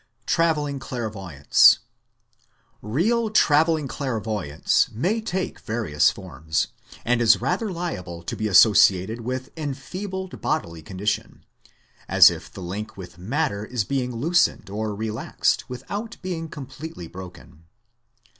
Travelling Clairvoyance Real travelling clairvoyance may take various forms, and is rather liable to be associated with enfeebled bodily condition, as if the link with matter was being loosened or relaxed without being completely broken.